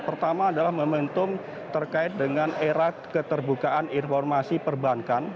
pertama adalah momentum terkait dengan era keterbukaan informasi perbankan